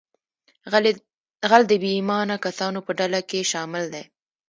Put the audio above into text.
غل د بې ایمانه کسانو په ډله کې شامل دی